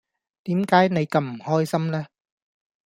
點解你咁唔開心呢